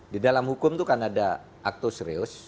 di dalam hukum itu kan ada aktos reus